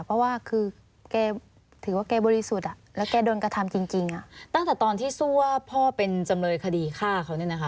เพราะว่าจะถือว่าแบบที่มองโดยการ